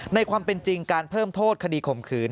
ในความเป็นจริงการเพิ่มโทษคดีข่มขืน